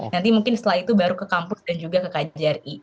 nanti mungkin setelah itu baru ke kampus dan juga ke kjri